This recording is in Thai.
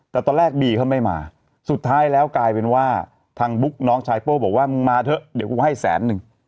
แต่ตอนแรกบีเขาไม่มาสุดท้ายแล้วกลายเป็นว่าทางบุ๊กน้องชายโป้บอกว่ามึงมาเถอะเดี๋ยวกูให้แสนนึง